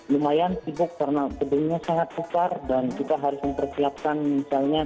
lumayan sibuk karena gedungnya sangat pusar dan kita harus mempersiapkan misalnya